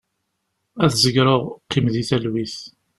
Ad zegreɣ, qqim di talwit.